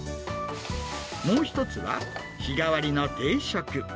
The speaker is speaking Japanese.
もう一つは、日替わりの定食。